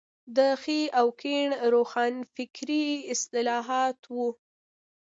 د ښي او کيڼ روښانفکري اصطلاحات وو.